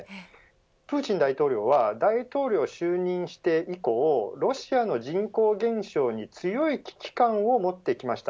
プーチン大統領は大統領就任して以降ロシアの人口減少に強い危機感を持ってきました。